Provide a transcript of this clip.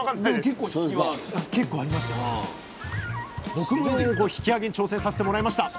僕も引き上げに挑戦させてもらいました。